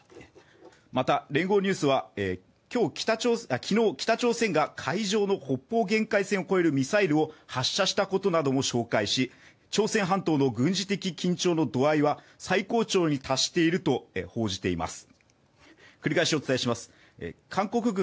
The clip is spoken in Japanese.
また、聯合ニュースは、昨日、北朝鮮が海上の北方限界線を越えるミサイルを発射したことも紹介し朝鮮半島の軍事的緊張の具合は最高潮に達していると報じています。